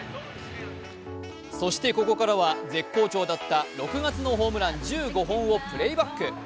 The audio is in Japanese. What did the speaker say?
そしてここからは絶好調だった６月のホームラン１５本をプレーバック。